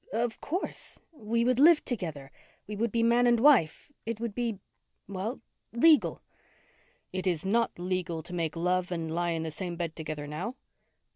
"Of course. We would live together. We would be man and wife. It would be well, legal." "It is not legal to make love and lie in the same bed together now?"